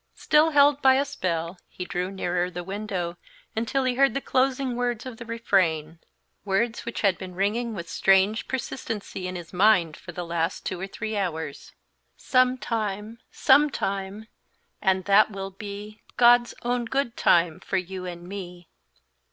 Still held as by a spell, he drew nearer the window, until he heard the closing words of the refrain, words which had been ringing with strange persistency in his mind for the last two or three hours, "Some time, some time, and that will be God's own good time for you and me."